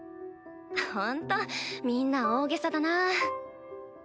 ほんとみんな大げさだなぁ。